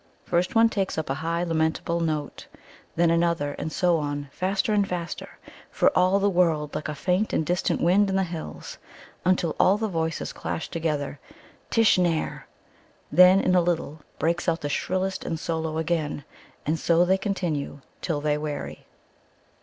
First one takes up a high lamentable note, then another, and so on, faster and faster, for all the world like a faint and distant wind in the hills, until all the voices clash together, "Tish naehr!" Then, in a little, breaks out the shrillest in solo again, and so they continue till they weary.